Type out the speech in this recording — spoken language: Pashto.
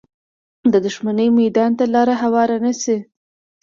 د دښمنۍ میدان ته لاره هواره نه شي